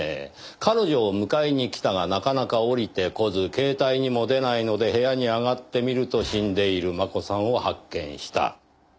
彼女を迎えに来たがなかなか下りて来ず携帯にも出ないので部屋に上がってみると死んでいる真子さんを発見した。